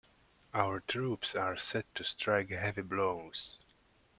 Our troops are set to strike heavy blows.